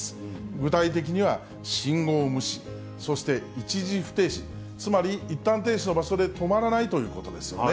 具体的には、信号無視、そして一時不停止、つまりいったん停止の場所で止まらないということですよね。